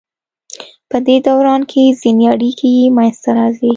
پدې دوران کې ځینې اړیکې منځ ته راځي.